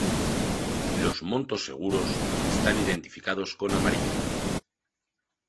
Los "montos seguros" están identificados con amarillo.